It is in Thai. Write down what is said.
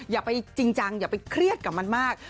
อย่าไปจริงจังอย่าไปเครียดกับมันมาก